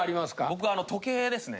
僕は時計ですね。